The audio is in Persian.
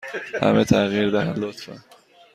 همه تغییر دهند، لطفا.